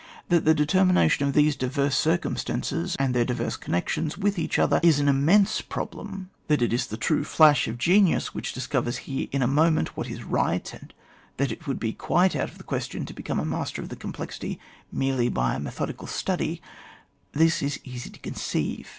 That the determinaibion of thefte diverse cir cumstances and their diY^e QonnectionB with each other is aQ immense problem, that it is the true flash of genius which discovers here in a moment what is right, and that it would be quite out of the question to become master of the complexity merely by a methodical study, this it is easy to conceive.